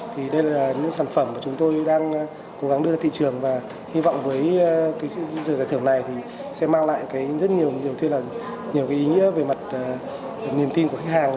thì đây là những sản phẩm mà chúng tôi đang cố gắng đưa ra thị trường và hy vọng với giải thưởng này sẽ mang lại rất nhiều ý nghĩa về mặt niềm tin của khách hàng